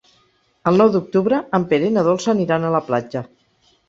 El nou d'octubre en Pere i na Dolça aniran a la platja.